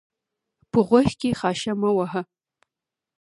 په غوږ کښي خاشه مه وهه!